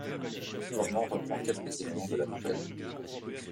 Corman reprend quelques éléments de la nouvelle.